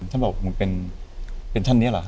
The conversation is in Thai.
ท่านบอกมันเป็นท่านเนี่ยเหรอครับ